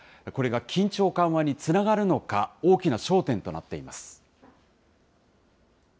これが緊張緩和につながるのか、大きな焦点となっています。